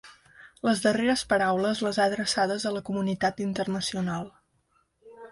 Les darreres paraules les ha adreçades a la comunitat internacional.